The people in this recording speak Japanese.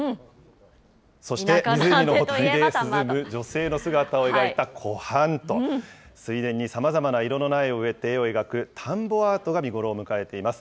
そして湖のほとりで涼む女性の姿を描いた湖畔と、水田にさまざまな色の苗を植えて絵を描く、田んぼアートが見頃を迎えています。